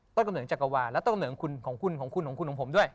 กำเนิดจักรวาลและต้นกำเนิดของคุณของคุณของคุณของคุณของผมด้วย